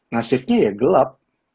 nasibnya ya gelap